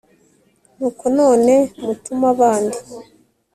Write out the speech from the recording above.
nuko none mutume abandi